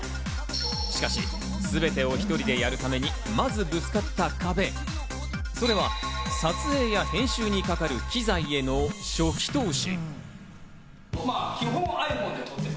しかし全てを１人でやるためにまずぶつかった壁、それは撮影や編集にかかる機材への初期投資。